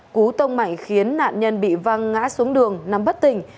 cú tông mạnh khiến nạn nhân bị văng ngã xuống đường nắm bất tình